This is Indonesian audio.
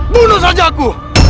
bunuh saja aku